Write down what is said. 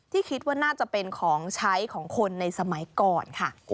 คิดว่าน่าจะเป็นของใช้ของคนในสมัยก่อนค่ะ